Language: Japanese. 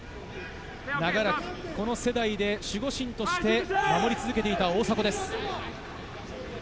長らくこの世代で守護神として守り続けていた大迫です。